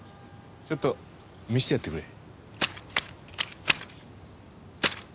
ちょっと見せてやってくれ。